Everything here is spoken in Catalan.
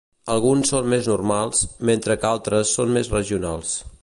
Alguns són més normals, mentre que altres són més regionals.